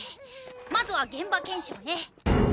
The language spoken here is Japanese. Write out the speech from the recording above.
まずは現場検証ね。